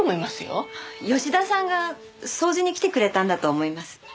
吉田さんが掃除に来てくれたんだと思います。